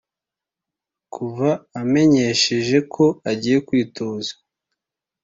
Kuva amenyesheje ko agiye kwitoza